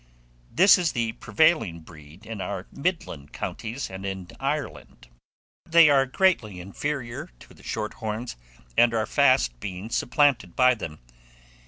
This is the prevailing breed in our midland counties and in Ireland; but they are greatly inferior to the short horns, and are fast being supplanted by them.